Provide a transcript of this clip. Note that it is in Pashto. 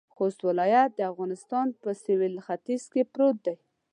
خوست ولایت د افغانستان په سویل ختيځ کې پروت دی.